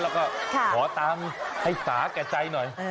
เราก็ขอตามให้สาแก่ใจหน่อย